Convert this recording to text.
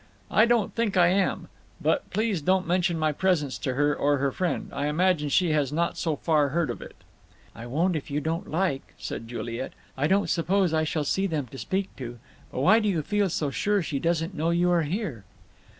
I don't think I am. But please don't mention my presence to her, or her friend. I imagine she has not so far heard of it." "I won't if you don't like," said Juliet. "I don't suppose I shall see them to speak to. But why do you feel so sure she doesn't know you are here?"